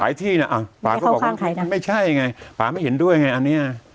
ที่น่ะอ่ะป่าก็บอกว่ามันไม่ใช่ไงป่าไม่เห็นด้วยไงอันเนี้ย